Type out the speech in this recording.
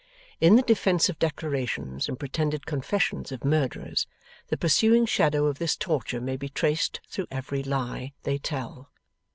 In the defensive declarations and pretended confessions of murderers, the pursuing shadow of this torture may be traced through every lie they tell.